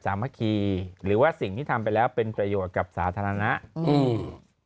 สามัคคีหรือว่าสิ่งที่ทำไปแล้วเป็นประโยชน์กับสาธารณะอืม